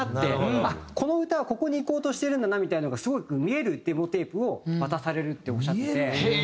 この歌はここにいこうとしてるんだなみたいのがすごく見えるデモテープを渡されるっておっしゃってて。